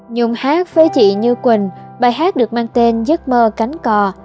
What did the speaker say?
nhôn hát với chị như quỳnh bài hát được mang tên giấc mơ cánh cò